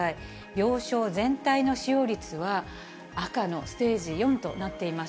病床全体の使用率は赤のステージ４となっています。